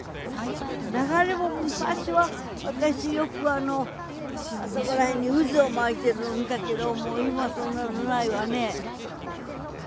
流れも昔は私よくあそこら辺に渦を巻いてるのを見たけどもう今そんなのないわね。